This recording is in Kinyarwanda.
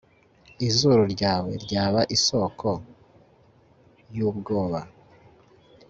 Izuru ryawe ryaba isoko yubwoba